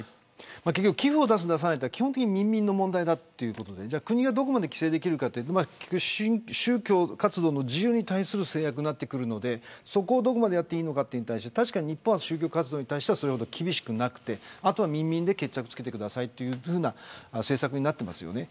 結局、寄付を出す出さないは民民の問題だということで国がどこまで規制できるのかというのは宗教活動の自由に対する制約になってくるのでそこをどこまでやっていいのかに対して日本は宗教に対してはそれほど厳しくなくて後は民民で話をつけてくださいという政策になっています。